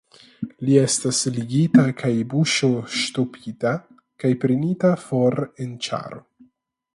Li estas ligita kaj buŝoŝtopita kaj prenita for en ĉaro.